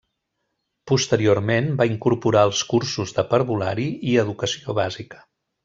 Posteriorment va incorporar els cursos de parvulari i educació bàsica.